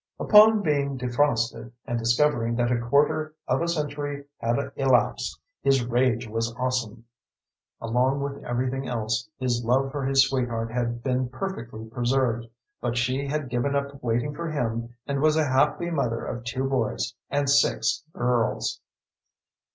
Upon being defrosted, and discovering that a quarter of a century had elapsed, his rage was awesome. Along with everything else, his love for his sweetheart had been perfectly preserved, but she had given up waiting for him and was a happy mother of two boys and six girls.